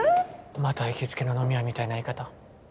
また行きつけの飲み屋みたいな言い方。